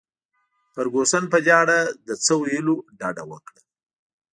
فرګوسن په دې اړه له څه ویلو ډډه وکړل.